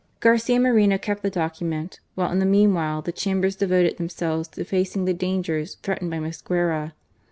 Garcia Moreno kept the document, while in the meanwhile the Chambers devoted themselves to facing the dangers threatened by Mosquera.